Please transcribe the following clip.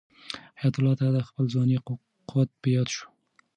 حیات الله ته د خپل ځوانۍ قوت په یاد شو.